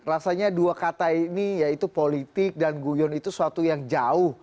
rasanya dua kata ini yaitu politik dan guyon itu suatu yang jauh